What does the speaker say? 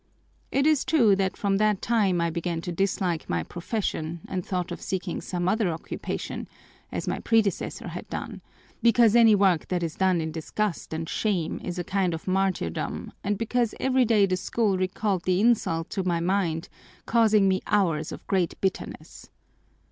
It is true that from that time I began to dislike my profession and thought of seeking some other occupation, as my predecessor had done, because any work that is done in disgust and shame is a kind of martyrdom and because every day the school recalled the insult to my mind, causing me hours of great bitterness.